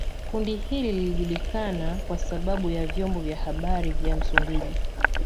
kundi hili lilijulikana kwa sababu ya vyombo vya habari vya Msumbiji